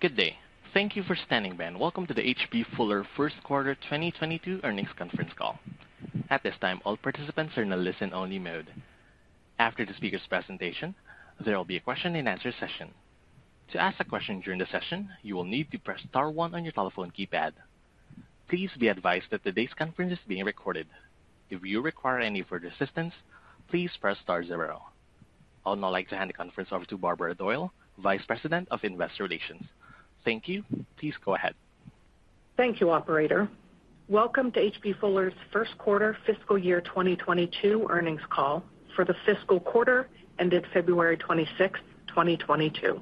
Good day. Thank you for standing by and welcome to the H.B. Fuller First Quarter 2022 Earnings Conference Call. At this time, all participants are in a listen-only mode. After the speaker's presentation, there will be a question and answer session. To ask a question during the session, you will need to press star one on your telephone keypad. Please be advised that today's conference is being recorded. If you require any further assistance, please press star zero. I would now like to hand the conference over to Barbara Doyle, Vice President of Investor Relations. Thank you. Please go ahead. Thank you, operator. Welcome to H.B. Fuller's first quarter fiscal year 2022 earnings call for the fiscal quarter ended February 26, 2022.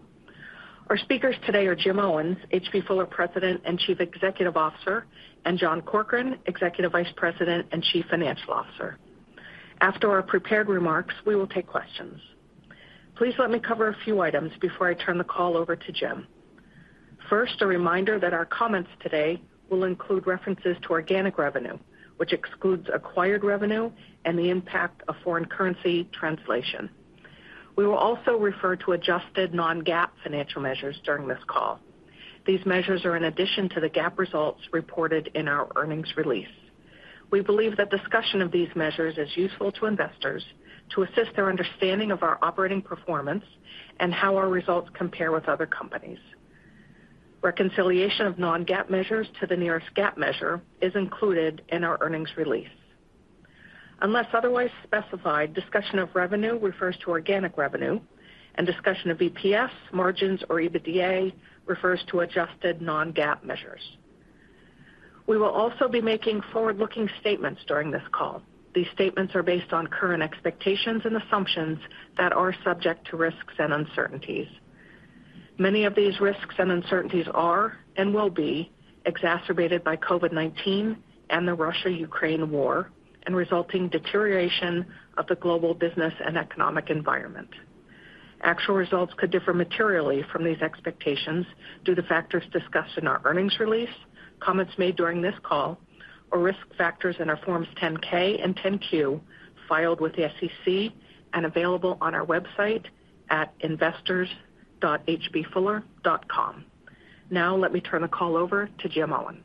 Our speakers today are Jim Owens, H.B. Fuller President and Chief Executive Officer, and John Corkrean, Executive Vice President and Chief Financial Officer. After our prepared remarks, we will take questions. Please let me cover a few items before I turn the call over to Jim. First, a reminder that our comments today will include references to organic revenue, which excludes acquired revenue and the impact of foreign currency translation. We will also refer to adjusted non-GAAP financial measures during this call. These measures are in addition to the GAAP results reported in our earnings release. We believe that discussion of these measures is useful to investors to assist their understanding of our operating performance and how our results compare with other companies. Reconciliation of non-GAAP measures to the nearest GAAP measure is included in our earnings release. Unless otherwise specified, discussion of revenue refers to organic revenue, and discussion of EPS, margins, or EBITDA refers to adjusted non-GAAP measures. We will also be making forward-looking statements during this call. These statements are based on current expectations and assumptions that are subject to risks and uncertainties. Many of these risks and uncertainties are and will be exacerbated by COVID-19 and the Russia-Ukraine war and resulting deterioration of the global business and economic environment. Actual results could differ materially from these expectations due to factors discussed in our earnings release, comments made during this call or risk factors in our Forms 10-K and 10-Q filed with the SEC and available on our website at investors.hbfuller.com. Now let me turn the call over to Jim Owens.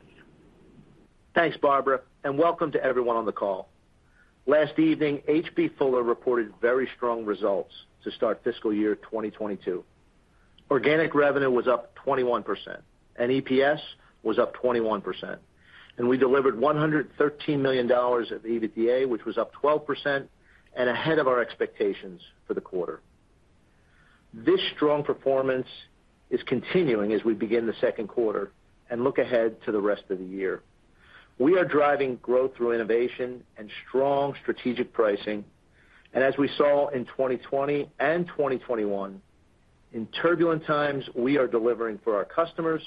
Thanks, Barbara, and welcome to everyone on the call. Last evening, H.B. Fuller reported very strong results to start fiscal year 2022. Organic revenue was up 21% and EPS was up 21%. We delivered $113 million of EBITDA, which was up 12% and ahead of our expectations for the quarter. This strong performance is continuing as we begin the second quarter and look ahead to the rest of the year. We are driving growth through innovation and strong strategic pricing. As we saw in 2020 and 2021, in turbulent times, we are delivering for our customers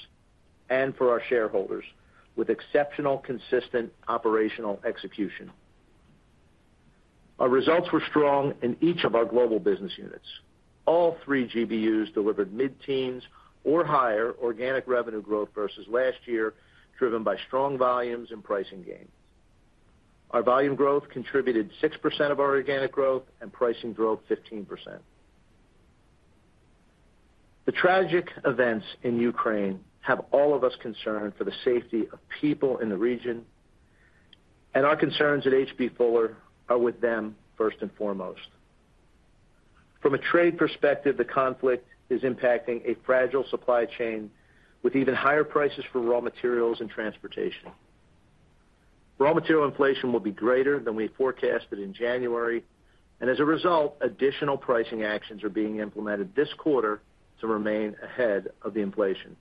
and for our shareholders with exceptional, consistent operational execution. Our results were strong in each of our global business units. All three GBUs delivered mid-teens or higher organic revenue growth versus last year, driven by strong volumes and pricing gains. Our volume growth contributed 6% of our organic growth, and pricing drove 15%. The tragic events in Ukraine have all of us concerned for the safety of people in the region, and our concerns at H.B. Fuller are with them first and foremost. From a trade perspective, the conflict is impacting a fragile supply chain with even higher prices for raw materials and transportation. Raw material inflation will be greater than we forecasted in January, and as a result, additional pricing actions are being implemented this quarter to remain ahead of the inflation.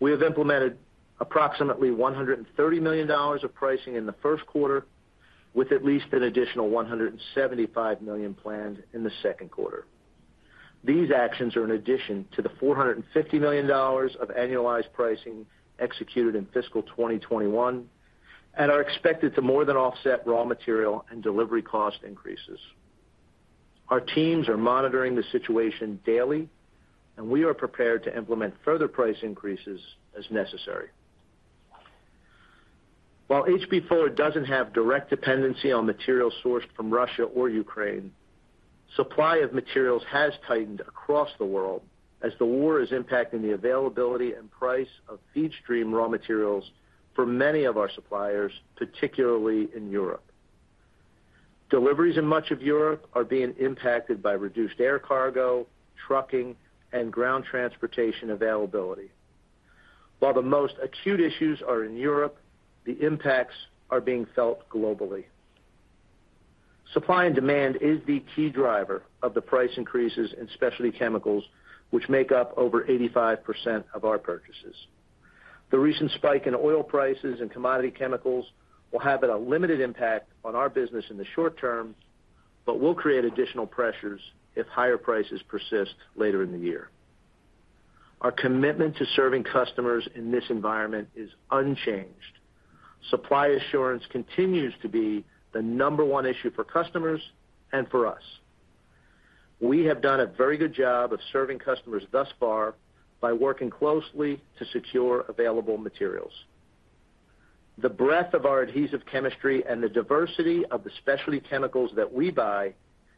We have implemented approximately $130 million of pricing in the first quarter, with at least an additional $175 million planned in the second quarter. These actions are in addition to the $450 million of annualized pricing executed in fiscal 2021 and are expected to more than offset raw material and delivery cost increases. Our teams are monitoring the situation daily, and we are prepared to implement further price increases as necessary. While H.B. Fuller doesn't have direct dependency on materials sourced from Russia or Ukraine, supply of materials has tightened across the world as the war is impacting the availability and price of feedstream raw materials for many of our suppliers, particularly in Europe. Deliveries in much of Europe are being impacted by reduced air cargo, trucking, and ground transportation availability. While the most acute issues are in Europe, the impacts are being felt globally. Supply and demand is the key driver of the price increases in specialty chemicals, which make up over 85% of our purchases. The recent spike in oil prices and commodity chemicals will have a limited impact on our business in the short term, but will create additional pressures if higher prices persist later in the year. Our commitment to serving customers in this environment is unchanged. Supply assurance continues to be the number one issue for customers and for us. We have done a very good job of serving customers thus far by working closely to secure available materials. The breadth of our adhesive chemistry and the diversity of the specialty chemicals that we buy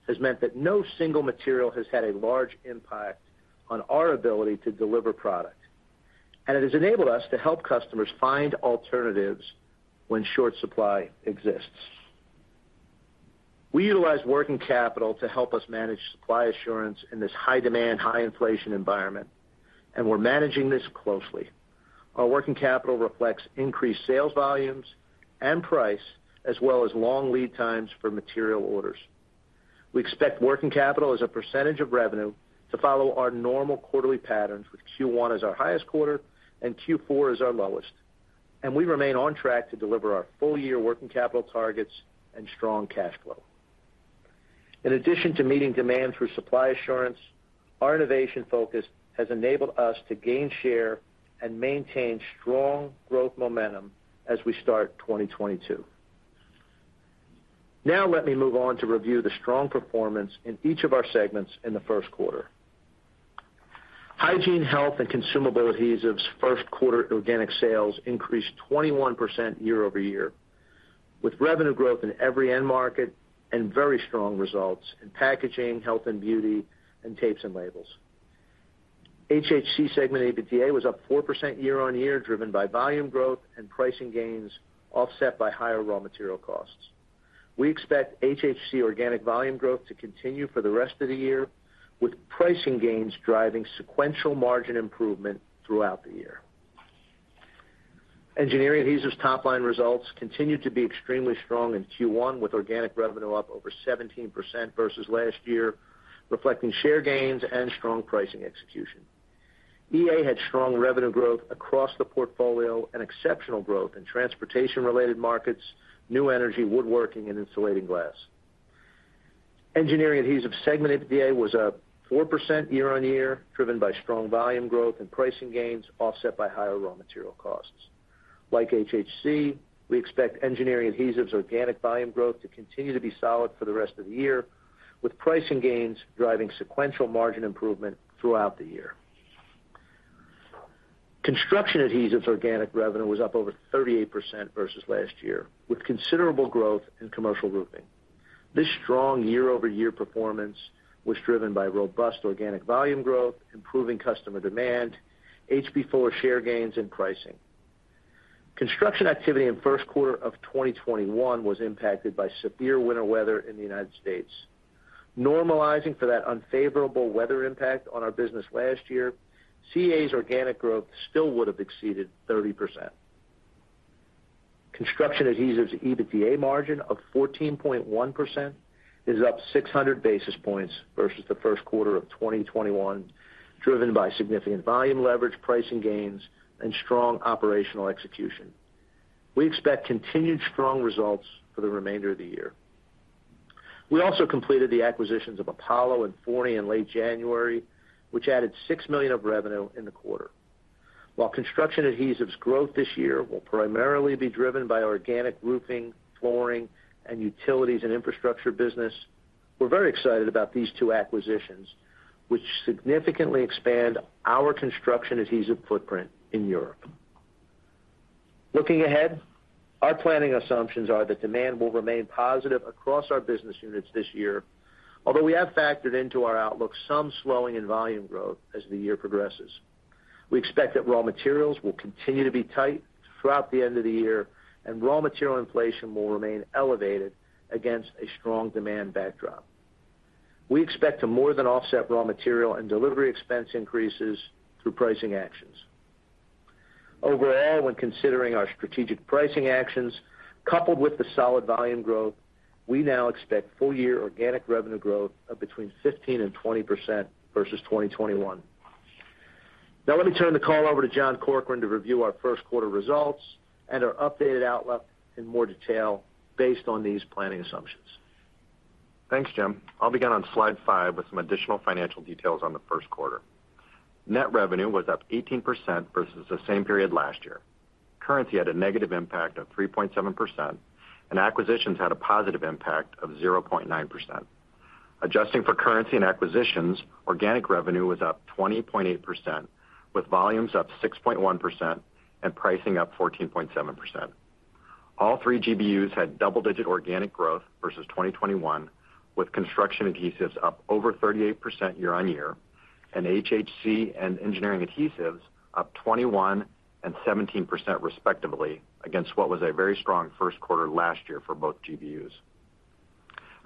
has meant that no single material has had a large impact on our ability to deliver product, and it has enabled us to help customers find alternatives when short supply exists. We utilize working capital to help us manage supply assurance in this high demand, high inflation environment, and we're managing this closely. Our working capital reflects increased sales volumes and price, as well as long lead times for material orders. We expect working capital as a percentage of revenue to follow our normal quarterly patterns, with Q1 as our highest quarter and Q4 as our lowest, and we remain on track to deliver our full year working capital targets and strong cash flow. In addition to meeting demand through supply assurance, our innovation focus has enabled us to gain share and maintain strong growth momentum as we start 2022. Now let me move on to review the strong performance in each of our segments in the first quarter. Hygiene, Health and Consumable Adhesives first quarter organic sales increased 21% year-over-year, with revenue growth in every end market and very strong results in packaging, health and beauty, and tapes and labels. HHC segment EBITDA was up 4% year-on-year, driven by volume growth and pricing gains offset by higher raw material costs. We expect HHC organic volume growth to continue for the rest of the year, with pricing gains driving sequential margin improvement throughout the year. Engineering Adhesives top-line results continued to be extremely strong in Q1, with organic revenue up over 17% versus last year, reflecting share gains and strong pricing execution. EA had strong revenue growth across the portfolio and exceptional growth in transportation-related markets, new energy, woodworking, and insulating glass. Engineering Adhesives segment EBITDA was up 4% year-on-year, driven by strong volume growth and pricing gains offset by higher raw material costs. Like HHC, we expect engineering adhesives organic volume growth to continue to be solid for the rest of the year, with pricing gains driving sequential margin improvement throughout the year. Construction adhesives organic revenue was up over 38% versus last year, with considerable growth in commercial roofing. This strong year-over-year performance was driven by robust organic volume growth, improving customer demand, H.B. Fuller share gains and pricing. Construction activity in first quarter of 2021 was impacted by severe winter weather in the United States. Normalizing for that unfavorable weather impact on our business last year, CA's organic growth still would have exceeded 30%. Construction adhesives EBITDA margin of 14.1% is up 600 basis points versus the first quarter of 2021, driven by significant volume leverage, pricing gains and strong operational execution. We expect continued strong results for the remainder of the year. We also completed the acquisitions of Apollo and Fourny in late January, which added $6 million of revenue in the quarter. While construction adhesives growth this year will primarily be driven by organic roofing, flooring and utilities and infrastructure business, we're very excited about these two acquisitions, which significantly expand our construction adhesive footprint in Europe. Looking ahead, our planning assumptions are that demand will remain positive across our business units this year. Although we have factored into our outlook some slowing in volume growth as the year progresses. We expect that raw materials will continue to be tight throughout the end of the year and raw material inflation will remain elevated against a strong demand backdrop. We expect to more than offset raw material and delivery expense increases through pricing actions. Overall, when considering our strategic pricing actions coupled with the solid volume growth, we now expect full year organic revenue growth of between 15% and 20% versus 2021. Now let me turn the call over to John Corkrean to review our first quarter results and our updated outlook in more detail based on these planning assumptions. Thanks, Jim. I'll begin on slide 5 with some additional financial details on the first quarter. Net revenue was up 18% versus the same period last year. Currency had a negative impact of 3.7%, and acquisitions had a positive impact of 0.9%. Adjusting for currency and acquisitions, organic revenue was up 20.8%, with volumes up 6.1% and pricing up 14.7%. All three GBUs had double-digit organic growth versus 2021, with construction adhesives up over 38% year-on-year and HHC and engineering adhesives up 21% and 17% respectively against what was a very strong first quarter last year for both GBUs.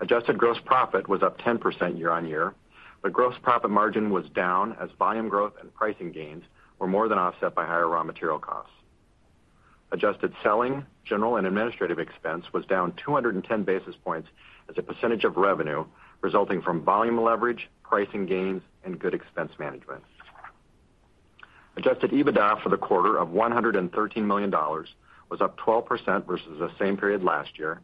Adjusted gross profit was up 10% year on year, but gross profit margin was down as volume growth and pricing gains were more than offset by higher raw material costs. Adjusted selling, general and administrative expense was down 210 basis points as a percentage of revenue, resulting from volume leverage, pricing gains and good expense management. Adjusted EBITDA for the quarter of $113 million was up 12% versus the same period last year,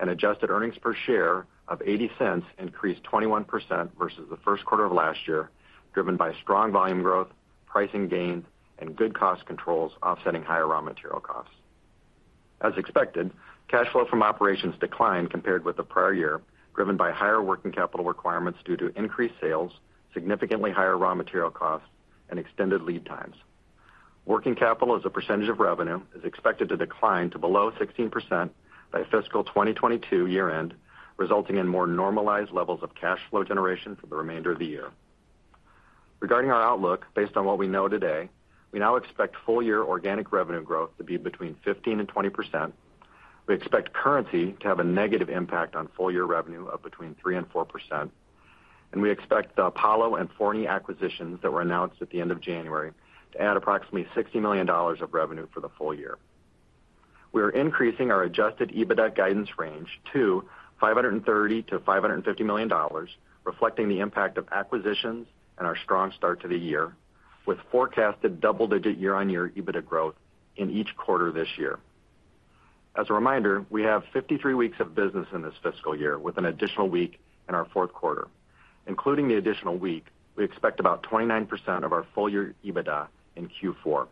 and adjusted earnings per share of $0.80 increased 21% versus the first quarter of last year, driven by strong volume growth, pricing gains and good cost controls offsetting higher raw material costs. As expected, cash flow from operations declined compared with the prior year, driven by higher working capital requirements due to increased sales, significantly higher raw material costs and extended lead times. Working capital as a percentage of revenue is expected to decline to below 16% by fiscal 2022 year end, resulting in more normalized levels of cash flow generation for the remainder of the year. Regarding our outlook, based on what we know today, we now expect full year organic revenue growth to be between 15%-20%. We expect currency to have a negative impact on full year revenue of between 3%-4%, and we expect the Apollo and Fourny acquisitions that were announced at the end of January to add approximately $60 million of revenue for the full year. We are increasing our Adjusted EBITDA guidance range to $530 million-$550 million, reflecting the impact of acquisitions and our strong start to the year, with forecasted double-digit year-on-year EBITDA growth in each quarter this year. As a reminder, we have 53 weeks of business in this fiscal year, with an additional week in our fourth quarter. Including the additional week, we expect about 29% of our full year EBITDA in Q4.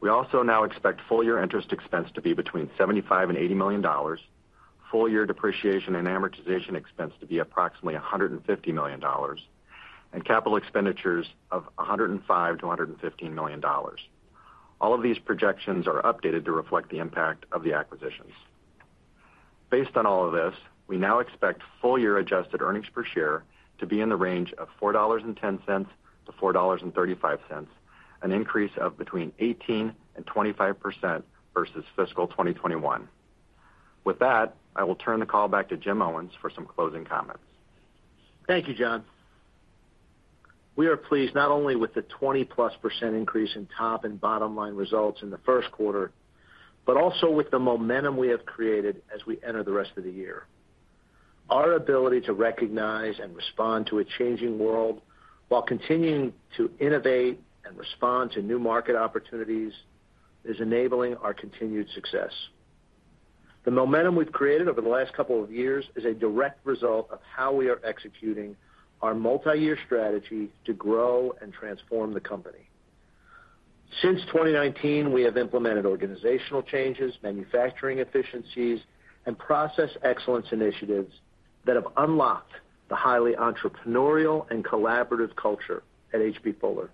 We also now expect full year interest expense to be between $75 million and $80 million, full year depreciation and amortization expense to be approximately $150 million, and capital expenditures of $105 million-$115 million. All of these projections are updated to reflect the impact of the acquisitions. Based on all of this, we now expect full year adjusted earnings per share to be in the range of $4.10-$4.35, an increase of between 18% and 25% versus fiscal 2021. With that, I will turn the call back to Jim Owens for some closing comments. Thank you, John Corkrean. We are pleased not only with the 20+% increase in top and bottom line results in the first quarter, but also with the momentum we have created as we enter the rest of the year. Our ability to recognize and respond to a changing world while continuing to innovate and respond to new market opportunities is enabling our continued success. The momentum we've created over the last couple of years is a direct result of how we are executing our multiyear strategy to grow and transform the company. Since 2019, we have implemented organizational changes, manufacturing efficiencies, and process excellence initiatives that have unlocked the highly entrepreneurial and collaborative culture at H.B. Fuller.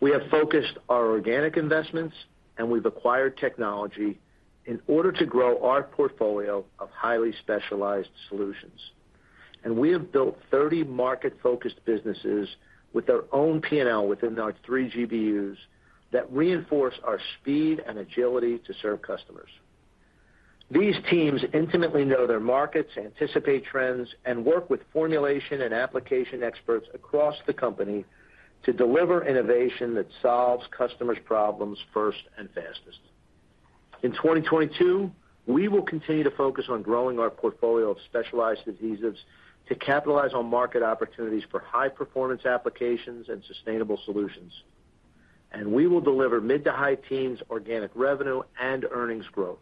We have focused our organic investments, and we've acquired technology in order to grow our portfolio of highly specialized solutions. We have built 30 market-focused businesses with their own P&L within our three GBUs that reinforce our speed and agility to serve customers. These teams intimately know their markets, anticipate trends, and work with formulation and application experts across the company to deliver innovation that solves customers' problems first and fastest. In 2022, we will continue to focus on growing our portfolio of specialized adhesives to capitalize on market opportunities for high performance applications and sustainable solutions, and we will deliver mid- to high-teens organic revenue and earnings growth.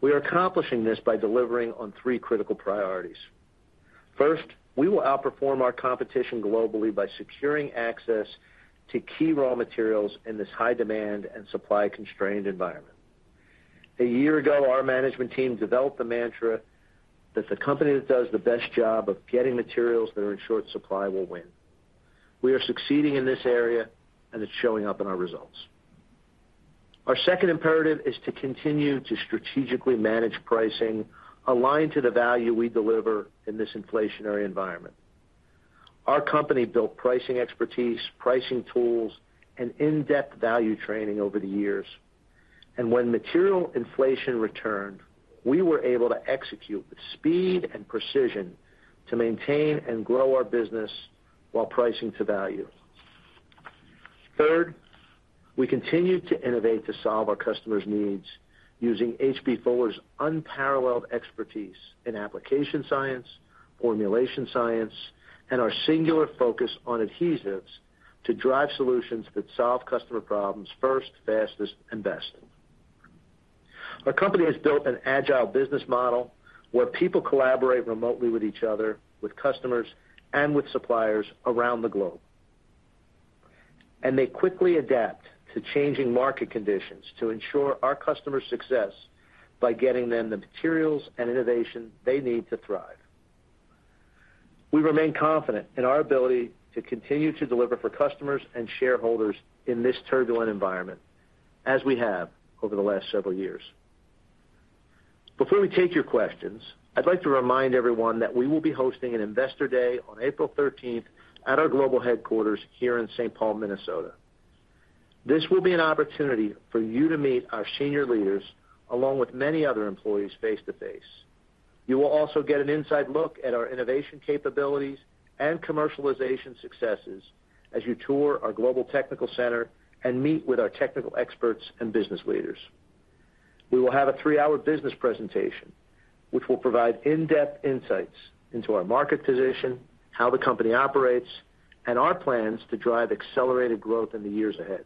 We are accomplishing this by delivering on three critical priorities. First, we will outperform our competition globally by securing access to key raw materials in this high demand and supply constrained environment. A year ago, our management team developed the mantra that the company that does the best job of getting materials that are in short supply will win. We are succeeding in this area, and it's showing up in our results. Our second imperative is to continue to strategically manage pricing aligned to the value we deliver in this inflationary environment. Our company built pricing expertise, pricing tools, and in-depth value training over the years. When material inflation returned, we were able to execute with speed and precision to maintain and grow our business while pricing to value. Third, we continue to innovate to solve our customers' needs using H.B. Fuller's unparalleled expertise in application science, formulation science, and our singular focus on adhesives to drive solutions that solve customer problems first, fastest, and best. Our company has built an agile business model where people collaborate remotely with each other, with customers, and with suppliers around the globe, and they quickly adapt to changing market conditions to ensure our customers' success by getting them the materials and innovation they need to thrive. We remain confident in our ability to continue to deliver for customers and shareholders in this turbulent environment, as we have over the last several years. Before we take your questions, I'd like to remind everyone that we will be hosting an investor day on April 13th at our global headquarters here in St. Paul, Minnesota. This will be an opportunity for you to meet our senior leaders, along with many other employees face to face. You will also get an inside look at our innovation capabilities and commercialization successes as you tour our global technical center and meet with our technical experts and business leaders. We will have a three-hour business presentation, which will provide in-depth insights into our market position, how the company operates, and our plans to drive accelerated growth in the years ahead.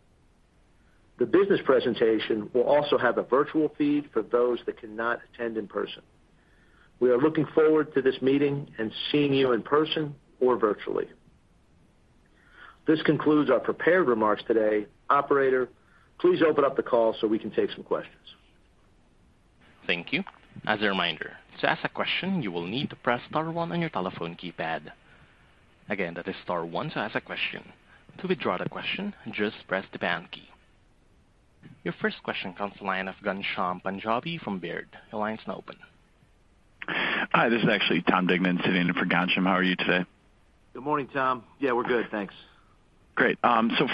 The business presentation will also have a virtual feed for those that cannot attend in person. We are looking forward to this meeting and seeing you in person or virtually. This concludes our prepared remarks today. Operator, please open up the call so we can take some questions. Thank you. As a reminder, to ask a question, you will need to press star one on your telephone keypad. Again, that is star one to ask a question. To withdraw the question, just press the pound key. Your first question comes to the line of Ghansham Panjabi from Baird. Your line's now open. Hi, this is actually Tom Dignan sitting in for Ghansham. How are you today? Good morning, Tom. Yeah, we're good. Thanks. Great.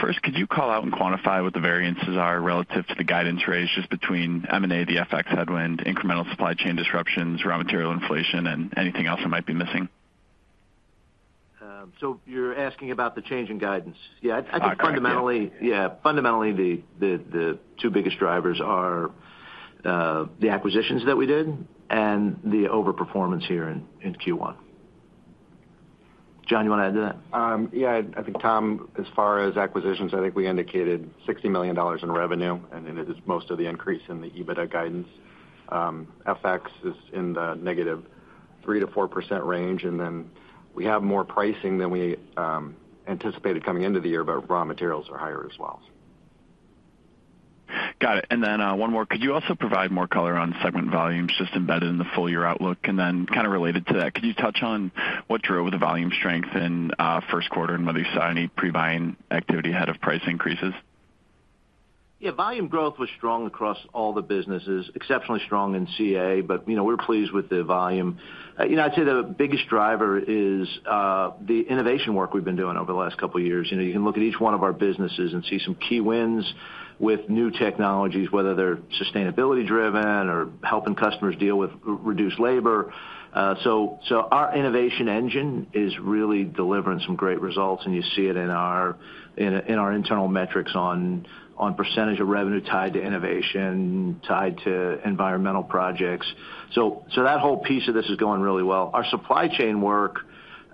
First, could you call out and quantify what the variances are relative to the guidance ratios between M&A, the FX headwind, incremental supply chain disruptions, raw material inflation, and anything else I might be missing? You're asking about the change in guidance? Yeah. Correct, yeah. I think fundamentally, yeah, fundamentally, the two biggest drivers are the acquisitions that we did and the overperformance here in Q1. John, you wanna add to that? Yeah. I think, Tom, as far as acquisitions, I think we indicated $60 million in revenue, and it is most of the increase in the EBITDA guidance. FX is in the -3% to -4% range, and then we have more pricing than we anticipated coming into the year, but raw materials are higher as well. Got it. One more. Could you also provide more color on segment volumes just embedded in the full year outlook? Kind of related to that, could you touch on what drove the volume strength in first quarter and whether you saw any pre-buying activity ahead of price increases? Yeah. Volume growth was strong across all the businesses, exceptionally strong in CA, but, you know, we're pleased with the volume. You know, I'd say the biggest driver is the innovation work we've been doing over the last couple years. You know, you can look at each one of our businesses and see some key wins with new technologies, whether they're sustainability driven or helping customers deal with reduced labor. So our innovation engine is really delivering some great results, and you see it in our internal metrics on percentage of revenue tied to innovation, tied to environmental projects. So that whole piece of this is going really well. Our supply chain work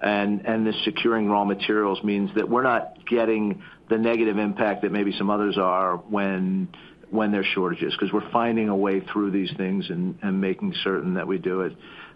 and the securing raw materials means that we're not getting the negative impact that maybe some others are when there's shortages, 'cause we're finding a way through these things and making certain that we do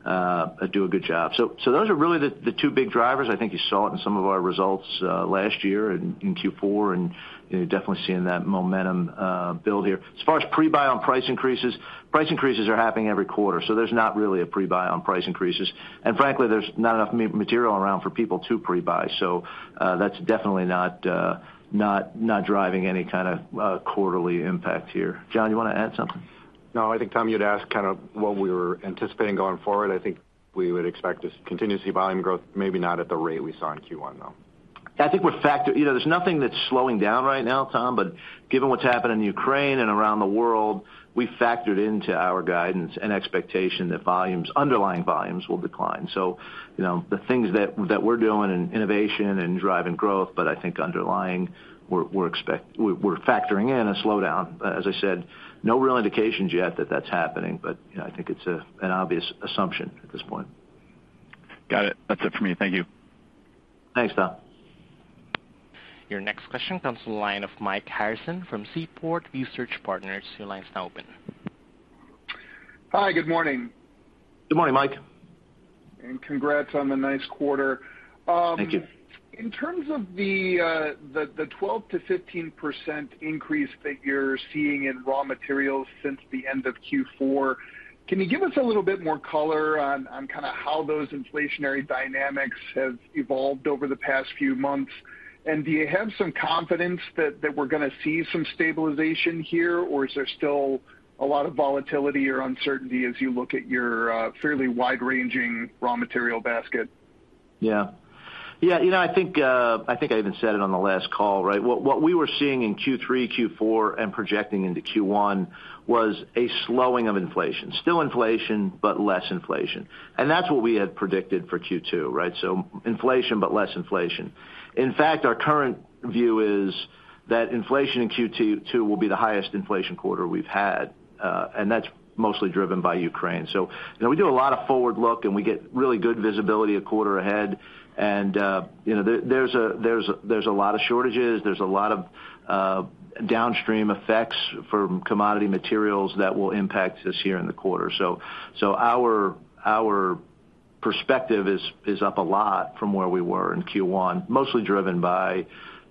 a good job. Those are really the two big drivers. I think you saw it in some of our results last year in Q4, and you're definitely seeing that momentum build here. As far as pre-buy on price increases, price increases are happening every quarter, so there's not really a pre-buy on price increases. Frankly, there's not enough material around for people to pre-buy. That's definitely not driving any kinda quarterly impact here. John, you wanna add something? No. I think, Tom, you'd asked kind of what we were anticipating going forward. I think we would expect to continue to see volume growth, maybe not at the rate we saw in Q1, though. You know, there's nothing that's slowing down right now, Tom, but given what's happened in Ukraine and around the world, we factored into our guidance an expectation that volumes, underlying volumes, will decline. You know, the things that we're doing in innovation and driving growth, but I think underlying we're factoring in a slowdown. As I said, no real indications yet that that's happening, but you know, I think it's an obvious assumption at this point. Got it. That's it for me. Thank you. Thanks, Tom. Your next question comes to the line of Mike Harrison from Seaport Research Partners. Your line's now open. Hi, good morning. Good morning, Mike. Congrats on the nice quarter. Thank you. In terms of the 12%-15% increase that you're seeing in raw materials since the end of Q4, can you give us a little bit more color on kinda how those inflationary dynamics have evolved over the past few months? Do you have some confidence that we're gonna see some stabilization here, or is there still a lot of volatility or uncertainty as you look at your fairly wide-ranging raw material basket? Yeah. Yeah. You know, I think I even said it on the last call, right? What we were seeing in Q3, Q4, and projecting into Q1 was a slowing of inflation. Still inflation, but less inflation. That's what we had predicted for Q2, right? Inflation, but less inflation. In fact, our current view is that inflation in Q2 too will be the highest inflation quarter we've had, and that's mostly driven by Ukraine. You know, we do a lot of forward look, and we get really good visibility a quarter ahead. You know, there's a lot of shortages, there's a lot of downstream effects for commodity materials that will impact us here in the quarter. Our perspective is up a lot from where we were in Q1, mostly driven by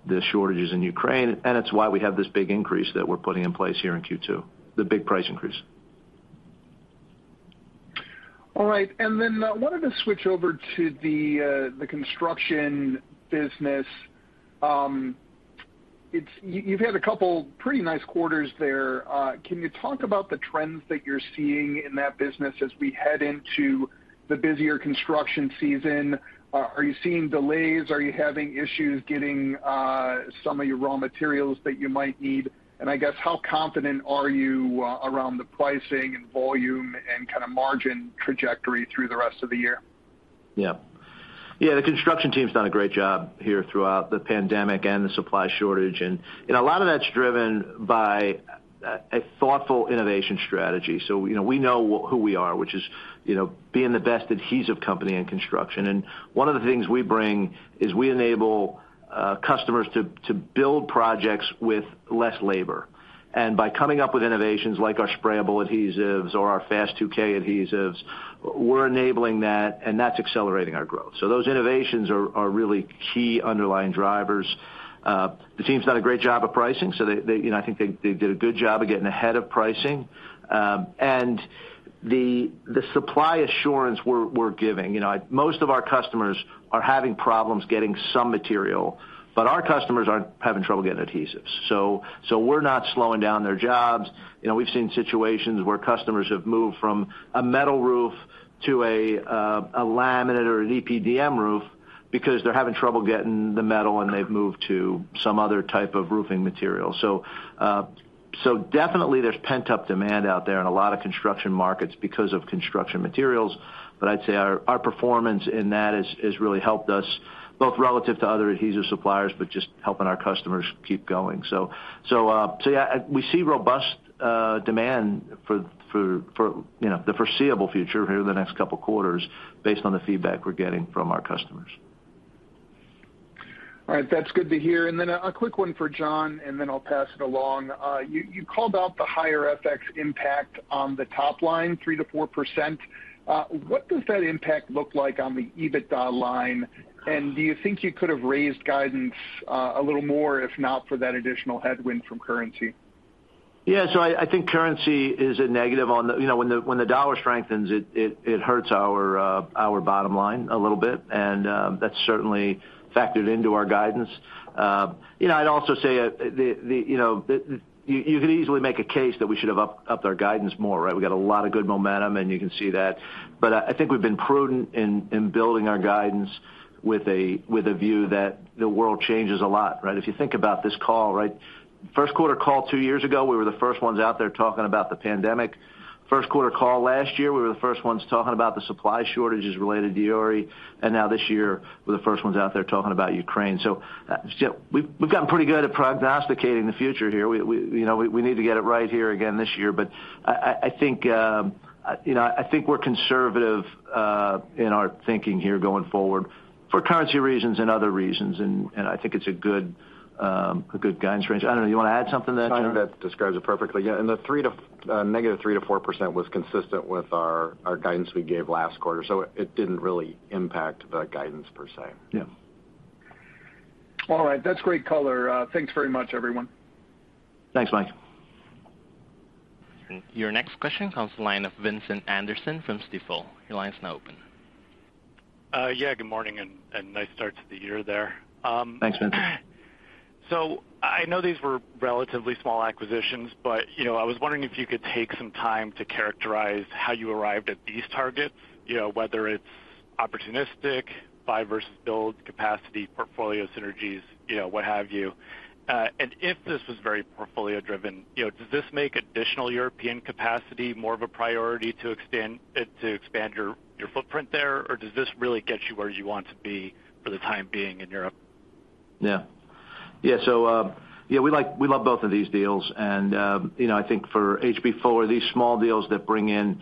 the shortages in Ukraine, and it's why we have this big increase that we're putting in place here in Q2, the big price increase. All right. wanted to switch over to the construction business. You, you've had a couple pretty nice quarters there. can you talk about the trends that you're seeing in that business as we head into the busier construction season? are you seeing delays? Are you having issues getting some of your raw materials that you might need? I guess how confident are you around the pricing and volume and kinda margin trajectory through the rest of the year? Yeah. Yeah, the construction team's done a great job here throughout the pandemic and the supply shortage. You know, a lot of that's driven by a thoughtful innovation strategy. You know, we know who we are, which is, you know, being the best adhesive company in construction. One of the things we bring is we enable customers to build projects with less labor. By coming up with innovations like our sprayable adhesives or our fast 2K adhesives, we're enabling that, and that's accelerating our growth. Those innovations are really key underlying drivers. The team's done a great job of pricing. They, you know, I think they did a good job of getting ahead of pricing. The supply assurance we're giving, you know, most of our customers are having problems getting some material, but our customers aren't having trouble getting adhesives. We're not slowing down their jobs. You know, we've seen situations where customers have moved from a metal roof to a laminate or an EPDM roof because they're having trouble getting the metal, and they've moved to some other type of roofing material. Definitely there's pent-up demand out there in a lot of construction markets because of construction materials. I'd say our performance in that has really helped us both relative to other adhesive suppliers, but just helping our customers keep going. Yeah, we see robust demand for, you know, the foreseeable future here in the next couple quarters based on the feedback we're getting from our customers. All right. That's good to hear. A quick one for John, and then I'll pass it along. You called out the higher FX impact on the top line 3%-4%. What does that impact look like on the EBITDA line? Do you think you could have raised guidance a little more if not for that additional headwind from currency? Yeah. I think currency is a negative on the you know, when the dollar strengthens, it hurts our bottom line a little bit, and that's certainly factored into our guidance. You know, I'd also say you know, you could easily make a case that we should have upped our guidance more, right? We got a lot of good momentum, and you can see that. I think we've been prudent in building our guidance with a view that the world changes a lot, right? If you think about this call, right, first quarter call two years ago, we were the first ones out there talking about the pandemic. First quarter call last year, we were the first ones talking about the supply shortages related to Uri. Now this year, we're the first ones out there talking about Ukraine. We've gotten pretty good at prognosticating the future here. You know, we need to get it right here again this year. I think, you know, I think we're conservative in our thinking here going forward for currency reasons and other reasons, and I think it's a good guidance range. I don't know, you wanna add something to that, John? No, that describes it perfectly. Yeah, the -3%-4% was consistent with our guidance we gave last quarter, so it didn't really impact the guidance per se. Yeah. All right. That's great color. Thanks very much, everyone. Thanks, Mike. Your next question comes from the line of Vincent Anderson from Stifel. Your line is now open. Yeah, good morning, and nice start to the year there. Thanks, Vincent. I know these were relatively small acquisitions, but, you know, I was wondering if you could take some time to characterize how you arrived at these targets. You know, whether it's opportunistic, buy versus build capacity, portfolio synergies, you know, what have you. If this was very portfolio-driven, you know, does this make additional European capacity more of a priority to expand your footprint there, or does this really get you where you want to be for the time being in Europe? We love both of these deals. You know, I think for H.B. Fuller, these small deals that bring in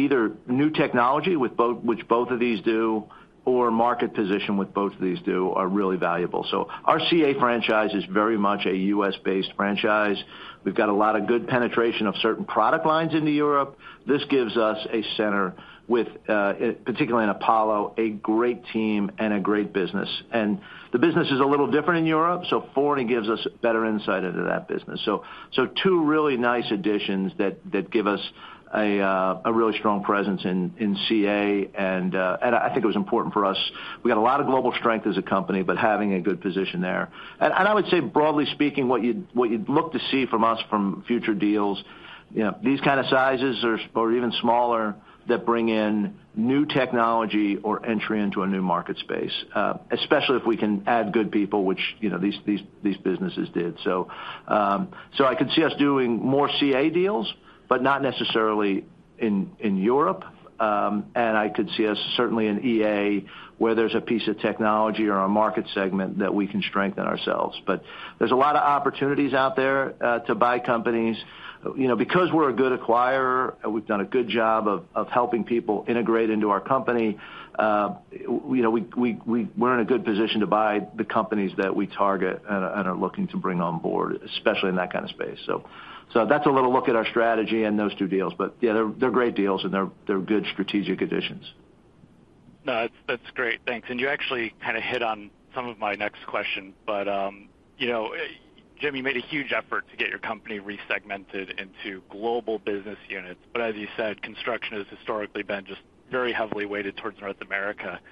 either new technology with both, which both of these do, or market position, which both of these do, are really valuable. Our CA franchise is very much a U.S.-based franchise. We've got a lot of good penetration of certain product lines into Europe. This gives us a center with, particularly in Apollo, a great team and a great business. The business is a little different in Europe, so Fourny gives us better insight into that business. Two really nice additions that give us a really strong presence in CA. I think it was important for us. We got a lot of global strength as a company, but having a good position there. I would say, broadly speaking, what you'd look to see from us from future deals, you know, these kind of sizes or even smaller that bring in new technology or entry into a new market space, especially if we can add good people, which, you know, these businesses did. I could see us doing more CA deals, but not necessarily in Europe. I could see us certainly in EA, where there's a piece of technology or a market segment that we can strengthen ourselves. There's a lot of opportunities out there to buy companies. You know, because we're a good acquirer, we've done a good job of helping people integrate into our company, you know, we're in a good position to buy the companies that we target and are looking to bring on board, especially in that kind of space. That's a little look at our strategy and those two deals. Yeah, they're great deals, and they're good strategic additions. No, that's great. Thanks. You actually kind of hit on some of my next question, but you know, Jim, you made a huge effort to get your company resegmented into global business units. But as you said, construction has historically been just very heavily weighted towards North America. You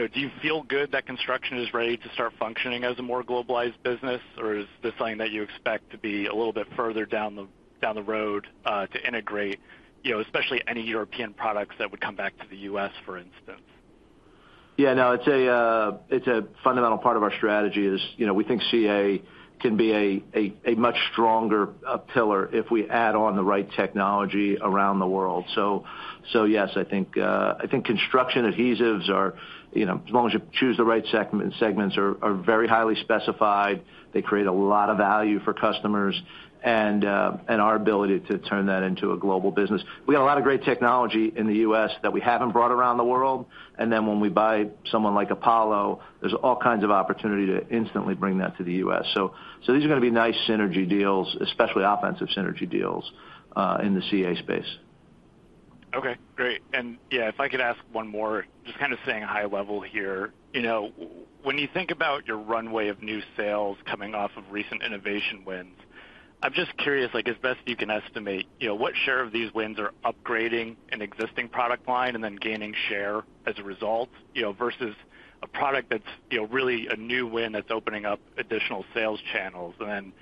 know, do you feel good that construction is ready to start functioning as a more globalized business, or is this something that you expect to be a little bit further down the road to integrate, you know, especially any European products that would come back to the U.S., for instance? Yeah, no. It's a fundamental part of our strategy is, you know, we think CA can be a much stronger pillar if we add on the right technology around the world. Yes, I think construction adhesives are, you know, as long as you choose the right segment, segments, are very highly specified. They create a lot of value for customers and our ability to turn that into a global business. We got a lot of great technology in the U.S. that we haven't brought around the world. When we buy someone like Apollo, there's all kinds of opportunity to instantly bring that to the U.S. These are gonna be nice synergy deals, especially offensive synergy deals in the CA space. Great. Yeah, if I could ask one more, just kind of staying high level here. You know, when you think about your runway of new sales coming off of recent innovation wins, I'm just curious, like, as best you can estimate, you know, what share of these wins are upgrading an existing product line and then gaining share as a result, you know, versus a product that's, you know, really a new win that's opening up additional sales channels? Then,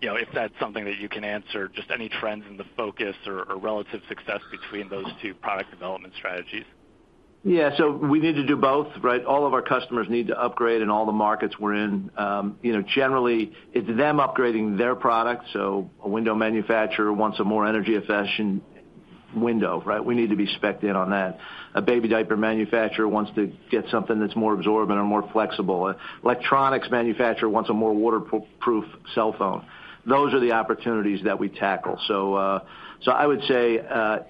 you know, if that's something that you can answer, just any trends in the focus or relative success between those two product development strategies. Yeah. We need to do both, right? All of our customers need to upgrade in all the markets we're in. You know, generally it's them upgrading their product. A window manufacturer wants a more energy efficient window, right? We need to be specced in on that. A baby diaper manufacturer wants to get something that's more absorbent or more flexible. An electronics manufacturer wants a more waterproof cell phone. Those are the opportunities that we tackle. I would say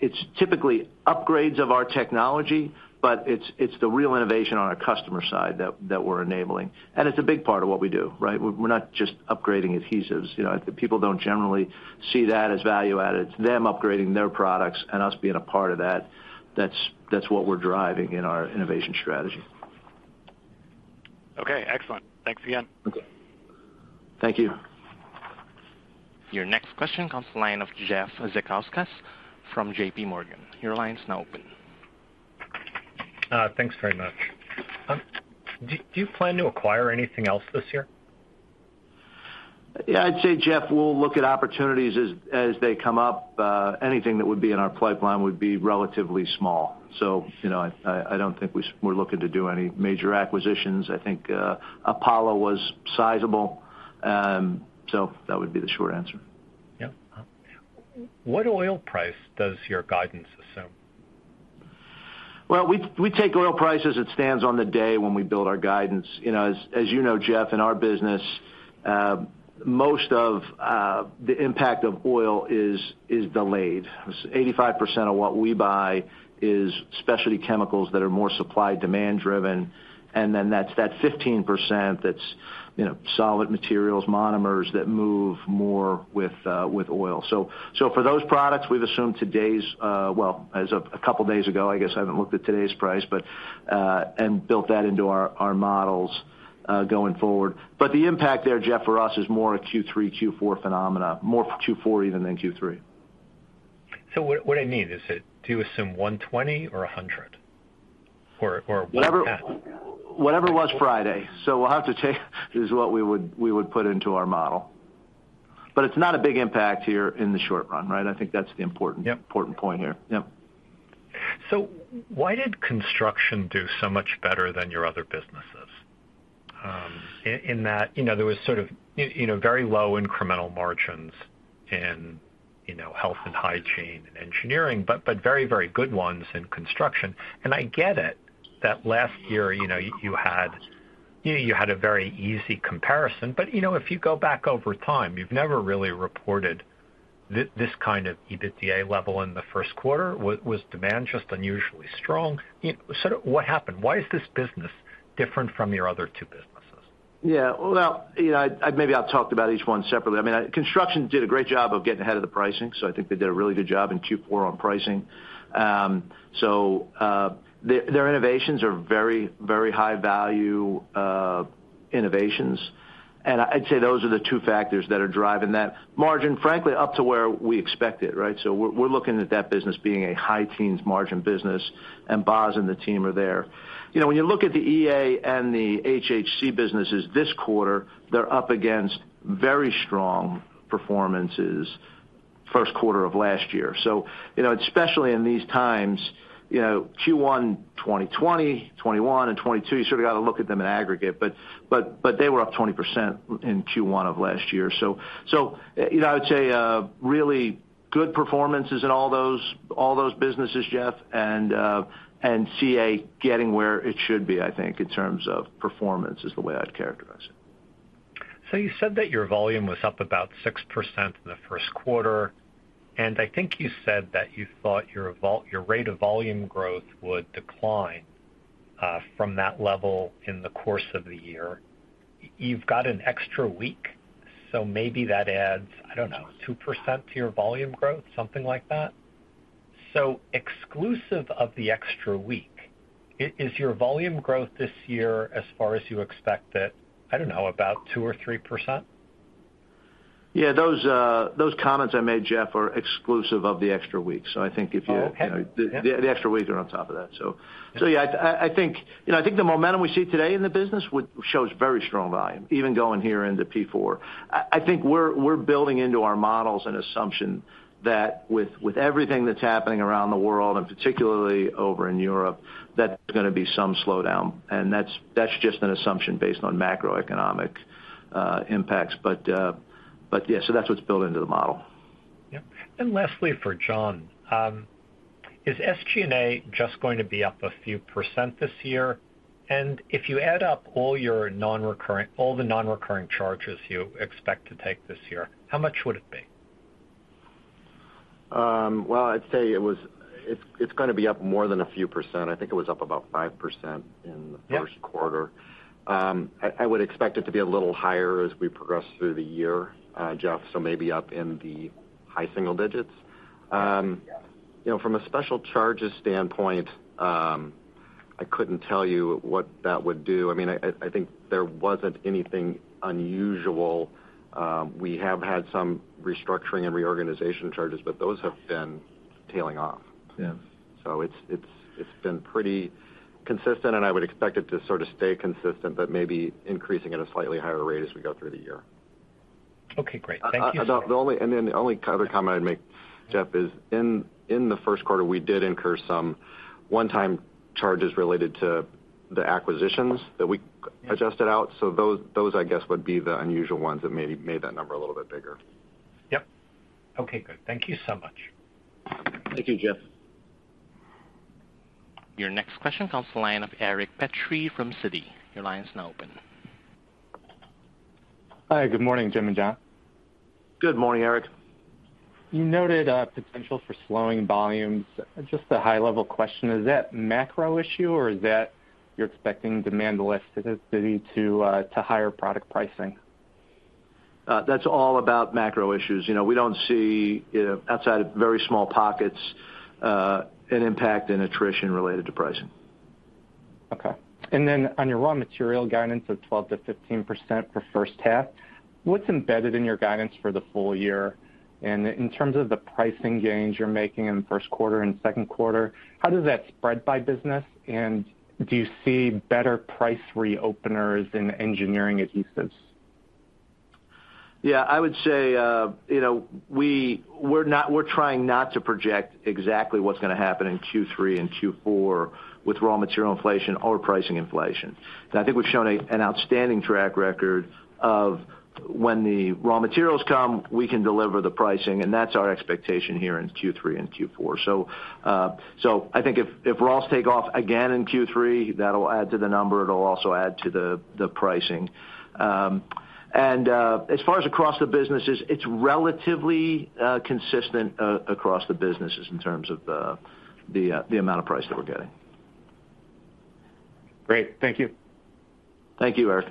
it's typically upgrades of our technology, but it's the real innovation on our customer side that we're enabling. It's a big part of what we do, right? We're not just upgrading adhesives. You know, people don't generally see that as value add. It's them upgrading their products and us being a part of that. That's what we're driving in our innovation strategy. Okay. Excellent. Thanks again. Okay. Thank you. Your next question comes from the line of Jeff Zekauskas from J.P. Morgan. Your line is now open. Thanks very much. Do you plan to acquire anything else this year? Yeah, I'd say, Jeff, we'll look at opportunities as they come up. Anything that would be in our pipeline would be relatively small. You know, I don't think we're looking to do any major acquisitions. I think, Apollo was sizable. That would be the short answer. Yeah. What oil price does your guidance assume? Well, we take oil price as it stands on the day when we build our guidance. You know, as you know, Jeff, in our business, most of the impact of oil is delayed. 85% of what we buy is specialty chemicals that are more supply demand driven, and then that's 15% that's you know solid materials, monomers that move more with oil. For those products, we've assumed today's well as of a couple days ago. I guess I haven't looked at today's price, but and built that into our models going forward. The impact there, Jeff, for us is more a Q3, Q4 phenomenon, more Q4 even than Q3. What I mean is, do you assume 120 or 100 or what? Whatever it was Friday. We'll have to take it as what we would put into our model. It's not a big impact here in the short run, right? I think that's the important Yep. Important point here. Yep. Why did construction do so much better than your other businesses? In that, you know, there was sort of, you know, very low incremental margins in, you know, health and hygiene and engineering, but very good ones in construction. I get it that last year, you know, you had a very easy comparison. If you go back over time, you've never really reported this kind of EBITDA level in the first quarter. Was demand just unusually strong? Sort of what happened? Why is this business different from your other two businesses? Yeah. Well, you know, I'd maybe I'll talk about each one separately. I mean, construction did a great job of getting ahead of the pricing, so I think they did a really good job in Q4 on pricing. Their innovations are very, very high value innovations. I'd say those are the two factors that are driving that margin, frankly, up to where we expect it, right? We're looking at that business being a high teens margin business, and Bas and the team are there. You know, when you look at the EA and the HHC businesses this quarter, they're up against very strong performances first quarter of last year. You know, especially in these times, you know, Q1 2020, 2021 and 2022, you sort of got to look at them in aggregate. They were up 20% in Q1 of last year. You know, I would say really good performances in all those businesses, Jeff, and CA getting where it should be, I think, in terms of performance is the way I'd characterize it. You said that your volume was up about 6% in the first quarter, and I think you said that you thought your rate of volume growth would decline from that level in the course of the year. You've got an extra week, so maybe that adds, I don't know, 2% to your volume growth, something like that. Exclusive of the extra week, is your volume growth this year as far as you expect it, I don't know, about 2% or 3%? Yeah, those comments I made, Jeff, are exclusive of the extra week. I think if you- Oh, okay. The extra weeks are on top of that. Yeah, I think, you know, I think the momentum we see today in the business shows very strong volume, even going here into Q4. I think we're building into our models an assumption that with everything that's happening around the world, and particularly over in Europe, that there's gonna be some slowdown. That's just an assumption based on macroeconomic impacts. Yeah, so that's what's built into the model. Yeah. Lastly, for John, is SG&A just going to be up a few% this year? If you add up all your non-recurring charges you expect to take this year, how much would it be? Well, I'd say it's gonna be up more than a few percent. I think it was up about 5% in the first quarter. Yeah. I would expect it to be a little higher as we progress through the year, Jeff, so maybe up in the high single digits. You know, from a special charges standpoint, I couldn't tell you what that would do. I mean, I think there wasn't anything unusual. We have had some restructuring and reorganization charges, but those have been tailing off. Yes. It's been pretty consistent, and I would expect it to sort of stay consistent, but maybe increasing at a slightly higher rate as we go through the year. Okay, great. Thank you. The only other comment I'd make, Jeff, is in the first quarter, we did incur some one-time charges related to the acquisitions that we adjusted out. Those, I guess, would be the unusual ones that maybe made that number a little bit bigger. Yep. Okay, good. Thank you so much. Thank you, Jeff. Your next question comes to the line of Eric Petrie from Citi. Your line is now open. Hi, good morning, Jim and John. Good morning, Eric. You noted a potential for slowing volumes. Just a high level question, is that macro issue or is that you're expecting demand elasticity to higher product pricing? That's all about macro issues. You know, we don't see, outside of very small pockets, an impact in attrition related to pricing. Okay. On your raw material guidance of 12%-15% for first half, what's embedded in your guidance for the full year? In terms of the pricing gains you're making in the first quarter and second quarter, how does that spread by business? Do you see better price reopeners in engineering adhesives? Yeah, I would say, you know, we're not trying to project exactly what's gonna happen in Q3 and Q4 with raw material inflation or pricing inflation. I think we've shown an outstanding track record of when the raw materials come, we can deliver the pricing, and that's our expectation here in Q3 and Q4. I think if raws take off again in Q3, that'll add to the number. It'll also add to the pricing. As far as across the businesses, it's relatively consistent across the businesses in terms of the amount of pricing that we're getting. Great. Thank you. Thank you, Eric.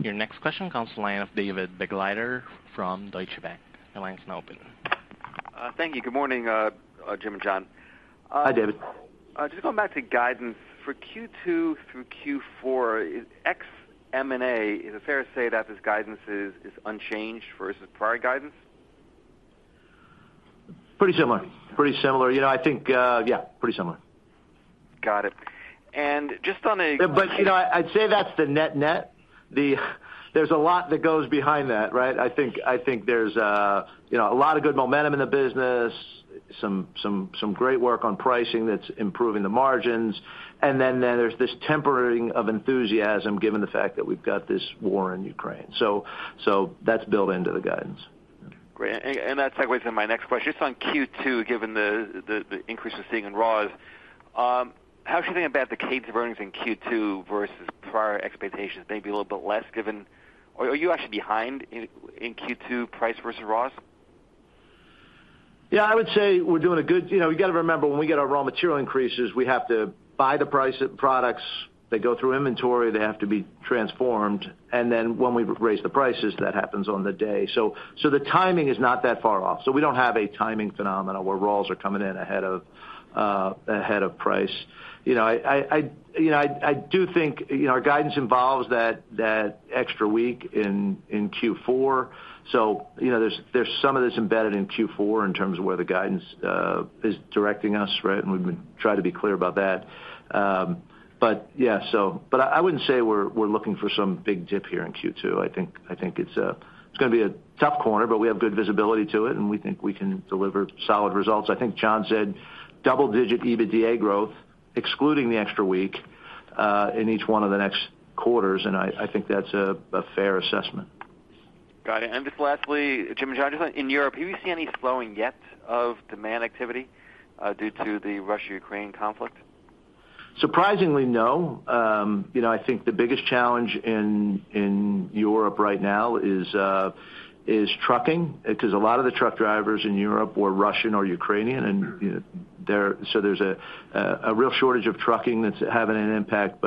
Your next question comes to the line of David Begleiter from Deutsche Bank. Your line is now open. Thank you. Good morning, Jim and John. Hi, David. Just going back to guidance. For Q2 through Q4 ex M&A, is it fair to say that this guidance is unchanged versus prior guidance? Pretty similar. You know, I think, yeah, pretty similar. Got it. You know, I'd say that's the net-net. There's a lot that goes behind that, right? I think there's, you know, a lot of good momentum in the business, some great work on pricing that's improving the margins. Then there's this tempering of enthusiasm given the fact that we've got this war in Ukraine. That's built into the guidance. Great. That segues into my next question. Just on Q2, given the increase we're seeing in raws, how should we think about the cadence of earnings in Q2 versus prior expectations? Maybe a little bit less given are you actually behind in Q2 price versus raws? Yeah, I would say we're doing a good, you know, you gotta remember, when we get our raw material increases, we have to pay the price for products. They go through inventory, they have to be transformed, and then when we raise the prices, that happens on the day. The timing is not that far off. We don't have a timing phenomenon where raws are coming in ahead of price. You know, I do think, you know, our guidance involves that extra week in Q4. You know, there's some of this embedded in Q4 in terms of where the guidance is directing us, right? We try to be clear about that. Yeah, I wouldn't say we're looking for some big dip here in Q2. I think it's gonna be a tough quarter, but we have good visibility to it, and we think we can deliver solid results. I think John said double-digit EBITDA growth, excluding the extra week, in each one of the next quarters, and I think that's a fair assessment. Got it. Just lastly, Jim and John, just on in Europe, have you seen any slowing yet of demand activity due to the Russia-Ukraine conflict? Surprisingly, no. You know, I think the biggest challenge in Europe right now is trucking, 'cause a lot of the truck drivers in Europe were Russian or Ukrainian, and you know, so there's a real shortage of trucking that's having an impact.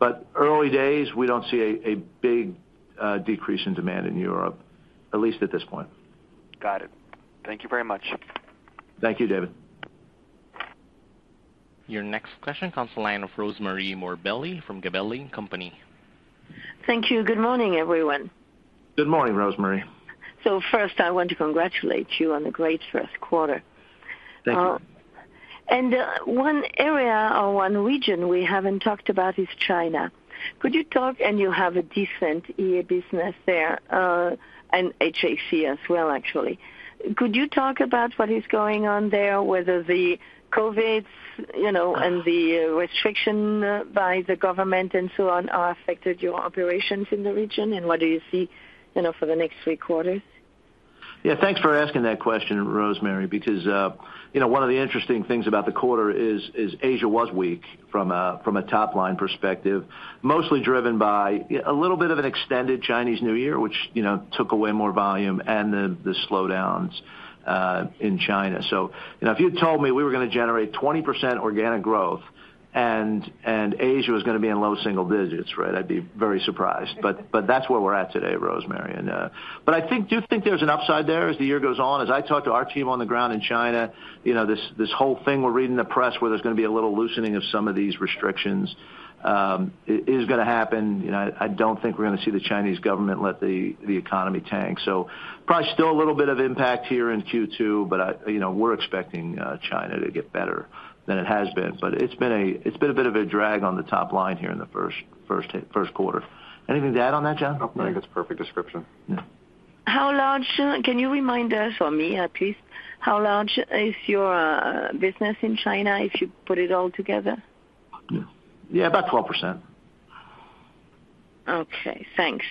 But early days, we don't see a big decrease in demand in Europe, at least at this point. Got it. Thank you very much. Thank you, David. Your next question comes to the line of Rosemarie Morbelli from Gabelli Funds. Thank you. Good morning, everyone. Good morning, Rosemarie. First, I want to congratulate you on the great first quarter. Thank you. One area or one region we haven't talked about is China. You have a decent EA business there, and HHC as well, actually. Could you talk about what is going on there? Whether the COVID, you know, and the restriction by the government and so on are affected your operations in the region, and what do you see, you know, for the next three quarters? Yeah, thanks for asking that question, Rosemarie, because you know, one of the interesting things about the quarter is Asia was weak from a top-line perspective, mostly driven by a little bit of an extended Chinese New Year, which you know, took away more volume, and the slowdowns in China. You know, if you told me we were gonna generate 20% organic growth, and Asia was gonna be in low single digits%, right? I'd be very surprised. But that's where we're at today, Rosemarie. But I think there's an upside there as the year goes on. As I talk to our team on the ground in China, you know, this whole thing we're reading in the press where there's gonna be a little loosening of some of these restrictions, it is gonna happen. You know, I don't think we're gonna see the Chinese government let the economy tank. Probably still a little bit of impact here in Q2, but you know, we're expecting China to get better than it has been. It's been a bit of a drag on the top line here in the first quarter. Anything to add on that, John? No, I think that's a perfect description. Yeah. Can you remind us, for me at least, how large is your business in China if you put it all together? Yeah, about 12%. Okay, thanks.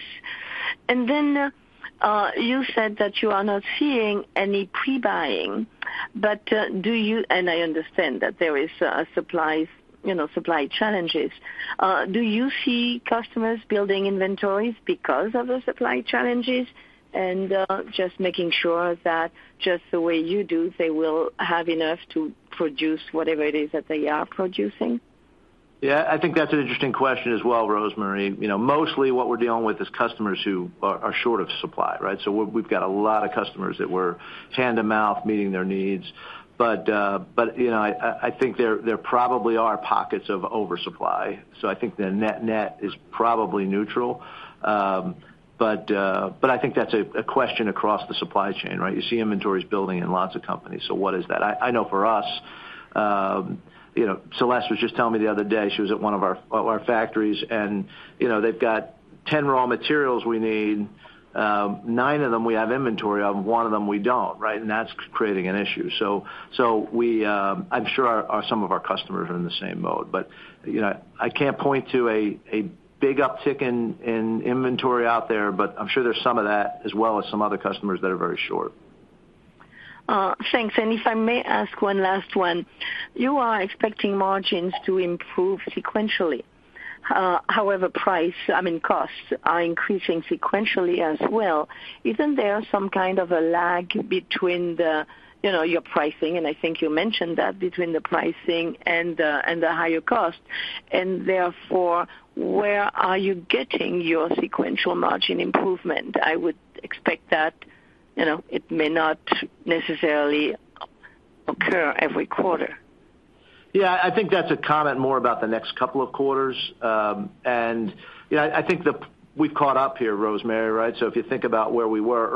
You said that you are not seeing any pre-buying, but I understand that there are supply challenges. Do you see customers building inventories because of the supply challenges, and just making sure that the way you do, they will have enough to produce whatever it is that they are producing? Yeah, I think that's an interesting question as well, Rosemarie. You know, mostly what we're dealing with is customers who are short of supply, right? We've got a lot of customers that we're hand-to-mouth meeting their needs. You know, I think there probably are pockets of oversupply. I think the net-net is probably neutral. I think that's a question across the supply chain, right? You see inventories building in lots of companies, so what is that? I know for us, you know, Celeste was just telling me the other day, she was at one of our factories and, you know, they've got 10 raw materials we need, nine of them we have inventory of, one of them we don't, right? And that's creating an issue. We... I'm sure some of our customers are in the same boat. You know, I can't point to a big uptick in inventory out there, but I'm sure there's some of that, as well as some other customers that are very short. Thanks. If I may ask one last one. You are expecting margins to improve sequentially. However, price, I mean, costs are increasing sequentially as well. Isn't there some kind of a lag between the, you know, your pricing, and I think you mentioned that, between the pricing and the higher cost, and therefore, where are you getting your sequential margin improvement? I would expect that, you know, it may not necessarily occur every quarter. Yeah, I think that's a comment more about the next couple of quarters. You know, I think we've caught up here, Rosemarie, right? If you think about where we were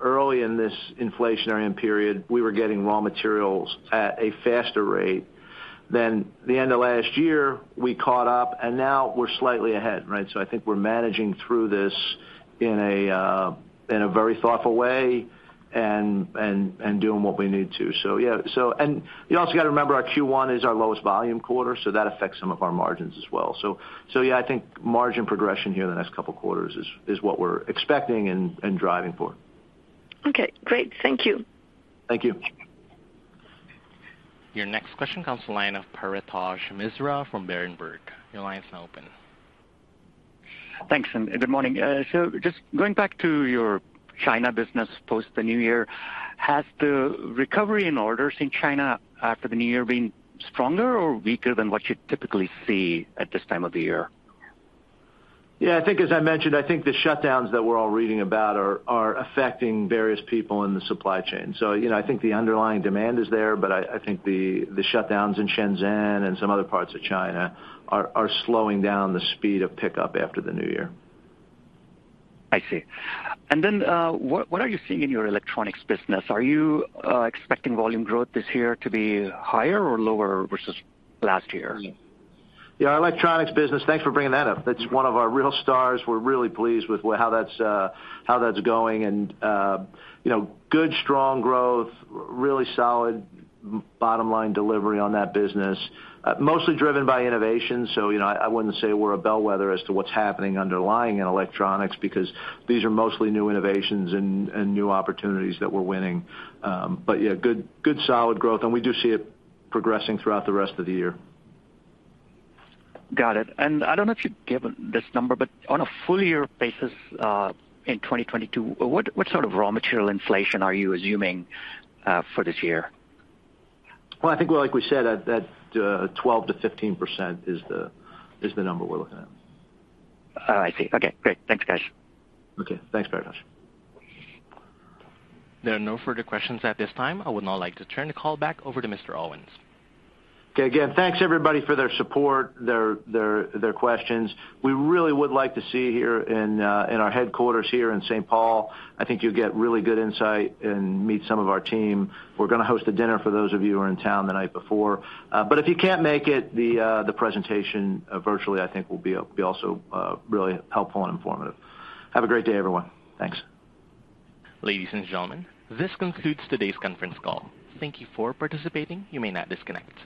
early in this inflationary period, we were getting raw materials at a faster rate. The end of last year, we caught up, and now we're slightly ahead, right? I think we're managing through this in a, in a very thoughtful way and doing what we need to. You also gotta remember our Q1 is our lowest volume quarter, so that affects some of our margins as well. I think margin progression here in the next couple quarters is what we're expecting and driving for. Okay, great. Thank you. Thank you. Your next question comes from the line of Paretosh Misra from Berenberg. Your line is now open. Thanks, and good morning. Just going back to your China business post the new year, has the recovery in orders in China after the new year been stronger or weaker than what you'd typically see at this time of the year? Yeah, I think as I mentioned, I think the shutdowns that we're all reading about are affecting various people in the supply chain. You know, I think the underlying demand is there, but I think the shutdowns in Shenzhen and some other parts of China are slowing down the speed of pickup after the new year. I see. What are you seeing in your electronics business? Are you expecting volume growth this year to be higher or lower versus last year? Yeah, our electronics business, thanks for bringing that up. That's one of our real stars. We're really pleased with how that's going and, you know, good strong growth, really solid bottom line delivery on that business. Mostly driven by innovation, so, you know, I wouldn't say we're a bellwether as to what's happening underlying in electronics because these are mostly new innovations and new opportunities that we're winning. Yeah, good solid growth, and we do see it progressing throughout the rest of the year. Got it. I don't know if you'd given this number, but on a full year basis, in 2022, what sort of raw material inflation are you assuming, for this year? Well, I think, like we said, 12%-15% is the number we're looking at. Oh, I see. Okay, great. Thanks, guys. Okay, thanks, Paretosh. There are no further questions at this time. I would now like to turn the call back over to Mr. Owens. Okay. Again, thanks everybody for their support, their questions. We really would like to see you here in our headquarters here in St. Paul. I think you'll get really good insight and meet some of our team. We're gonna host a dinner for those of you who are in town the night before. If you can't make it, the presentation virtually I think will be also really helpful and informative. Have a great day, everyone. Thanks. Ladies and gentlemen, this concludes today's conference call. Thank you for participating. You may now disconnect.